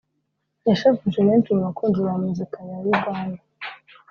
yashavuje benshi mu bakunzi ba muzika ya Uganda